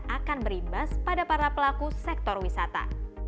akan berimbas pada para pelaku sektor wisata